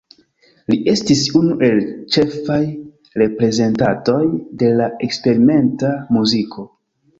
Li estis unu el ĉefaj reprezentantoj de la eksperimenta muziko.